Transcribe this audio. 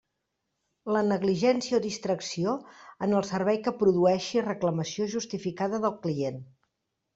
La negligència o distracció en el servei que produeixi reclamació justificada del client.